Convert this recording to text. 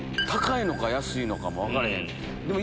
高いのか安いのかも分かれへん。